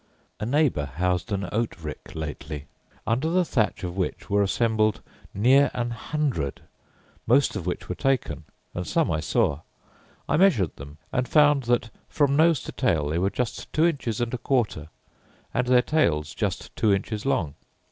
A neighbour housed an oat rick lately, under the thatch of which were assembled near an hundred, most of which were taken; and some I saw. I measured them; and found that, from nose to tail, they were just two inches and a quarter, and their tails just two inches long.